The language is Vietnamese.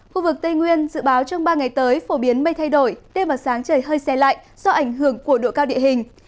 khu vực tây nguyên dự báo trong ba ngày tới phổ biến mây thay đổi đêm và sáng trời hơi xe lạnh do ảnh hưởng của độ cao địa hình